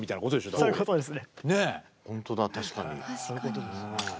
そういうことですね。